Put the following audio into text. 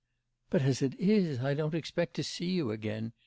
'But, as it is, I don't expect to see you again.